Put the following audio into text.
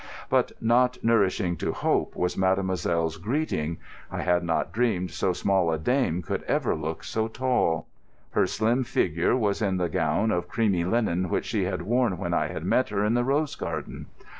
But not nourishing to hope was mademoiselle's greeting. I had not dreamed so small a dame could ever look so tall. Her slim figure was in the gown of creamy linen which she had worn when I had met her in the rose garden.